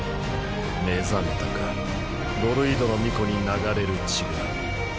目覚めたかドルイドの巫女に流れる血が。